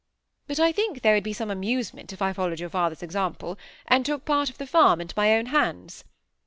But I think there would be some amusement if I followed your father's example and took part of the farm into my own hands."